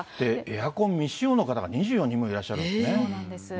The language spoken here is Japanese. エアコン未使用の方が２４人もいらっしゃるんですね。